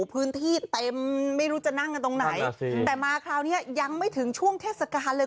พื้นที่เต็มไม่รู้จะนั่งกันตรงไหนแต่มาคราวนี้ยังไม่ถึงช่วงเทศกาลเลย